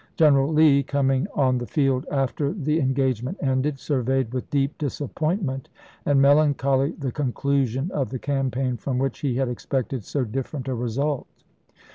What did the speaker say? General Lee, coming on the field after the engagement ended, surveyed with deep disappointment and melancholy the conclusion of the campaign from which he had expected so different a result.